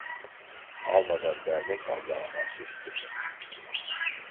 Almadan vermek Allah'a mahsustur.